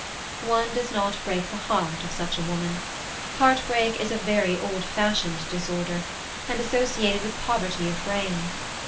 One does not break the heart of such a woman. Heartbreak is a very old fashioned disorder, associated with poverty of brain.